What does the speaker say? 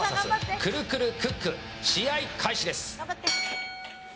クルクルクック試合開始です。